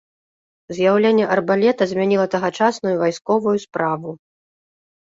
З'яўленне арбалета змяніла тагачасную вайсковую справу.